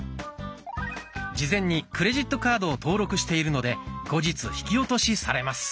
事前にクレジットカードを登録しているので後日引き落としされます。